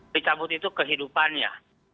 dicabut itu kehidupannya